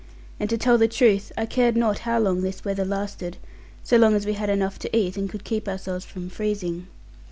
And to tell the truth I cared not how long this weather lasted, so long as we had enough to eat, and could keep ourselves from freezing.